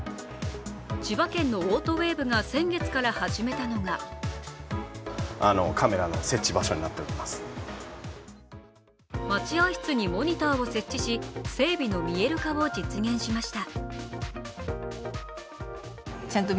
千葉県のオートウェーブが先月から始めたのが待合室にモニターを設置し、整備の見える化を実現しました。